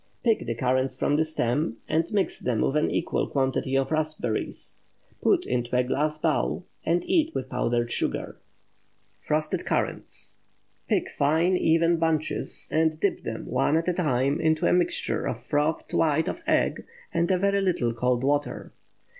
Pick the currants from the stems, and mix with an equal quantity of raspberries. Put into a glass bowl, and eat with powdered sugar. FROSTED CURRANTS. Pick fine even bunches, and dip them, one at a time, into a mixture of frothed white of egg, and a very little cold water.